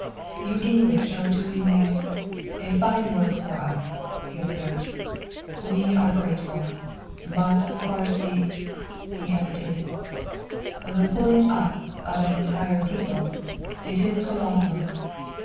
"You English are doing a a fine work for us," he observed. "We are grateful. But of course the" he hesitated "the pulling up of an entire people it is colossal."